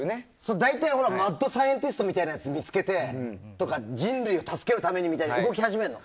大体マッドサイエンティストみたいなやつを見つけたり人類を助けるためみたいに動き始めるの。